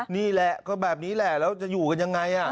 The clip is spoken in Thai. นี่แหละก็แบบนี้แหละแล้วจะอยู่กันยังไง